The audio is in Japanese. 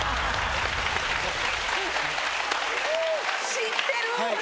知ってる⁉